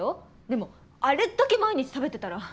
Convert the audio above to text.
でもあれだけ毎日食べてたら。